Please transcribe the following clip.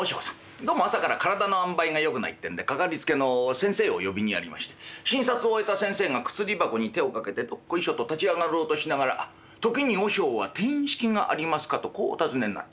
どうも朝から体の塩梅がよくないってんで掛かりつけの先生を呼びにやりまして診察を終えた先生が薬箱に手をかけてどっこいしょと立ち上がろうとしながら「時に和尚は転失気がありますか？」とこうお尋ねになった。